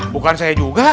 bukan saya juga